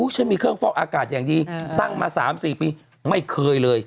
ฉันมีเครื่องฟอกอากาศอย่างดีตั้งมา๓๔ปีไม่เคยเลย